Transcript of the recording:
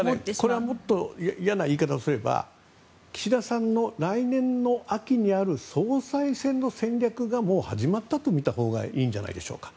これはもっといやな言い方をすれば岸田さんの来年の秋にある総裁選の戦略がもう始まったとみたほうがいいんじゃないでしょうか。